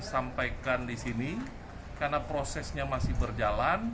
sampaikan di sini karena prosesnya masih berjalan